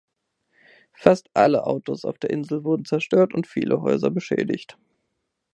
Fast alle Autos auf der Insel wurden zerstört und viele Häuser beschädigt.